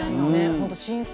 本当新鮮。